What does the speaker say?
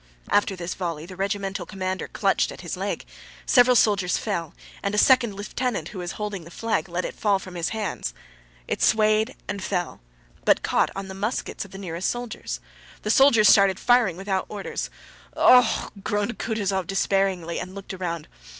After this volley the regimental commander clutched at his leg; several soldiers fell, and a second lieutenant who was holding the flag let it fall from his hands. It swayed and fell, but caught on the muskets of the nearest soldiers. The soldiers started firing without orders. "Oh! Oh! Oh!" groaned Kutúzov despairingly and looked around....